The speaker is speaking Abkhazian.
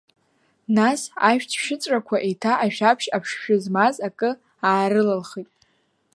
Нас ашәҭшьыҵәрақәа еиҭа ашәаԥшь аԥшшәы змаз акы аарылылхит.